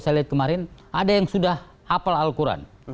saya lihat kemarin ada yang sudah hafal al quran